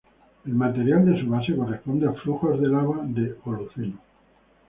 El material de su base corresponde a flujos de lava del Holoceno.